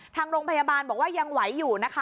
ทางโรงพยาบาลบอกว่ายังไหวอยู่นะคะ